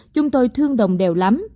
chúng tôi thương đồng đều lắm